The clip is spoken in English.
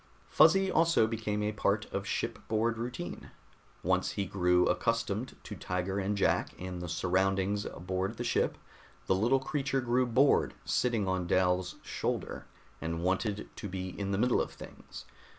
Fuzzy also became a part of shipboard routine. Once he grew accustomed to Tiger and Jack and the surroundings aboard the ship, the little creature grew bored sitting on Dal's shoulder and wanted to be in the middle of things.